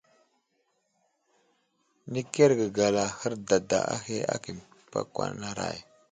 Nəkerge gala hərdada ahe aki məpakwanaray.